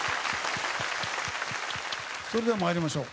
それでは参りましょう。